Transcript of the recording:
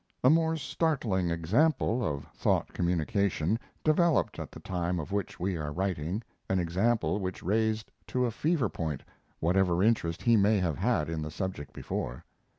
A more startling example of thought communication developed at the time of which we are writing, an example which raised to a fever point whatever interest he may have had in the subject before.